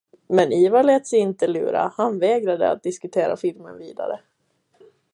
Men Ivar lät inte lura sig, han vägrade att diskutera filmen vidare.